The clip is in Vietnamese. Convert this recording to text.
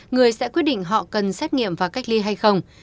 người sẽ quyết định họ cần xét nghiệm và cách ly hay không